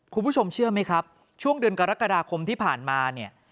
คุณผู้ชมเชื่อไหมครับช่วงเดือนกรกฎาคมที่ผ่านมาเนี่ย